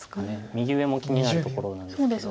右上も気になるところなんですけど。